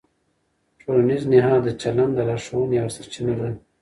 ټولنیز نهاد د چلند د لارښوونې یوه سرچینه ده.